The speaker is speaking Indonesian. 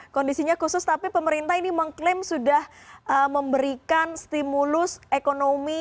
kondisinya khusus tapi pemerintah ini mengklaim sudah memberikan stimulus ekonomi